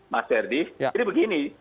mas ferdie jadi begini